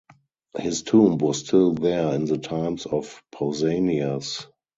His tomb was still there in the times of Pausanias.